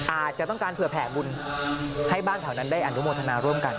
อาจจะต้องการเผื่อแผ่บุญให้บ้านแถวนั้นได้อนุโมทนาร่วมกัน